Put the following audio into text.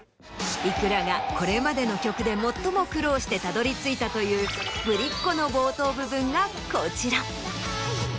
ｉｋｕｒａがこれまでの曲で最も苦労してたどり着いたというぶりっ子の冒頭部分がこちら。